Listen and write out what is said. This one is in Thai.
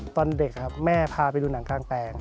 ตอนเด็กครับแม่พาไปดูหนังกลางแปลง